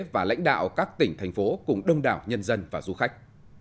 và lãnh đạo các tỉnh thành phố cùng đông đảo nhân dân và du khách